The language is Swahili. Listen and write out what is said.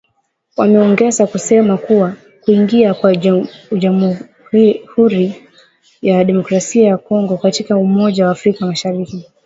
Wameongeza kusema kuwa kuingia kwa Jamuhuri ya Demokrasia ya Kongo katika umoja wa afrika mashariki